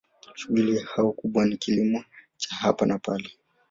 Shughuli yao kubwa ni kilimo cha hapa na pale.